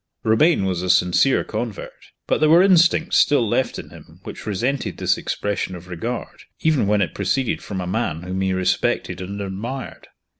Romayne was a sincere convert, but there were instincts still left in him which resented this expression of regard, even when it proceeded from a man whom he respected and admired.